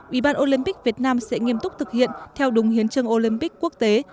ủy ban olympic việt nam sẽ nghiêm túc thực hiện theo đúng hiến trương olympic quốc tế